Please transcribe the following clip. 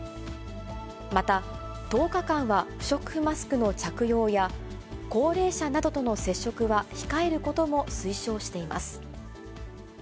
また、１０日間は不織布マスクの着用や、高齢者などとの接触は控えることも推奨しています。